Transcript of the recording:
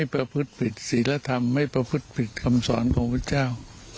พระธรรมไม่ประพฤติผิดคำสอนของพระพุทธเจ้า